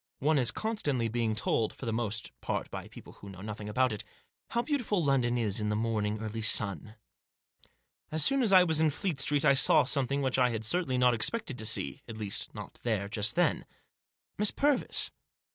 One is constantly being told — for the most part by people who know nothing about it — how beautiful London is in the early morning sun. So soon as I was in Fleet Street I saw something which I had certainly not expected to see, at least, not there, just then — Miss Purvis.